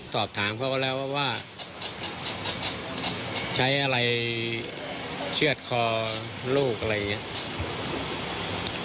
สอบถามเขาก็แล้วว่าใช้อะไรเชื่อดคอลูกอะไรอย่างนี้